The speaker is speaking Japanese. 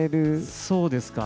そうですか。